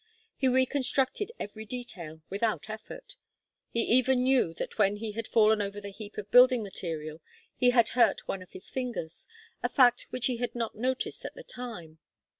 He reconstructed every detail without effort. He even knew that when he had fallen over the heap of building material he had hurt one of his fingers, a fact which he had not noticed at the time.